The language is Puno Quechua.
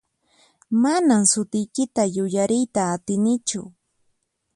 Manan sutiykita yuyariyta atinichu.